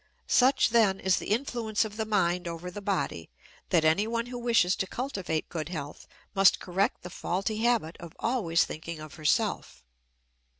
Such then is the influence of the mind over the body that anyone who wishes to cultivate good health must correct the faulty habit of always thinking of herself.